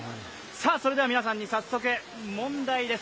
それでは皆さんに早速問題です。